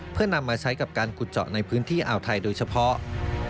เพื่อนำมาใช้กับการขุดเจาะในพื้นที่อ่าวไทยโดยเฉพาะ